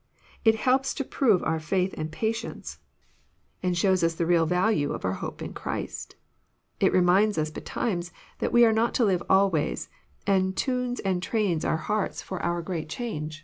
It helps to prove our fkith and patience, and shows us the JOHN, CUAP. XI. 229 real valae of our hope in Christ. It remiuds us betimes that we are not to liye always, and tunes and trains our hearts for our great change.